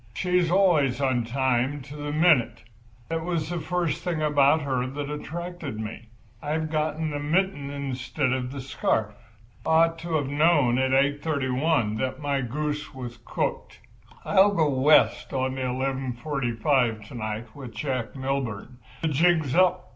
She's always on time, to the minute. That was the first thing about her that attracted me. I've got the mitten instead of the scarf. I ought to have known at 8.31 that my goose was cooked. I'll go West on the 11.45 to night with Jack Milburn. The jig's up.